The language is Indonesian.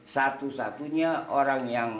satu satunya orang yang